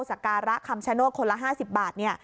สการะคำชโนธคนละ๕๐บาท